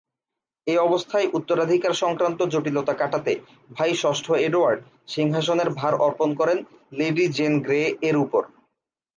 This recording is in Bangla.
এ অবস্থায় উত্তরাধিকার সংক্রান্ত জটিলতা কাটাতে ভাই ষষ্ঠ এডওয়ার্ড সিংহাসনের ভার অর্পণ করেন লেডি জেন গ্রে-এর উপর।